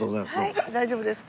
はい大丈夫ですか？